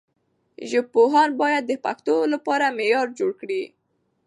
ژبپوهان باید د پښتو لپاره معیار جوړ کړي.